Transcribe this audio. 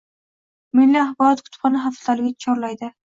Milliy axborot-kutubxona haftaligi chorlayding